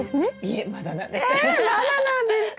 えまだなんですか？